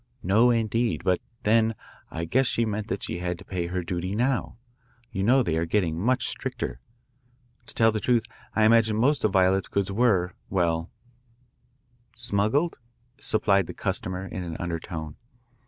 'No, indeed. But then, I guess she meant that she had to pay the duty now. You know they are getting much stricter. To tell the truth, I imagine most of Violette's goods were well ' "'Smuggled?' supplied the customer in an undertone.